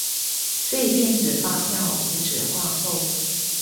所以電子發票無紙化後